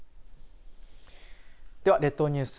では列島ニュース